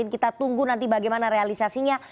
kita tunggu nanti bagaimana realisasinya